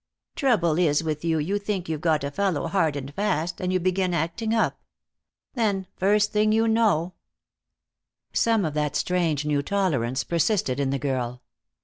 Trouble is with you, you think you've got a fellow hard and fast, and you begin acting up. Then, first thing you know " Some of that strange new tolerance persisted in the girl.